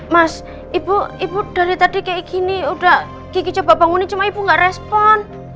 mas ibu dari tadi kayak gini udah gigi coba bangunin cuma ibu nggak respon